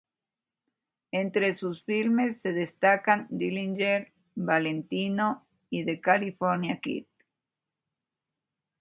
Entre sus filmes se destacan "Dillinger", "Valentino" y "The California Kid".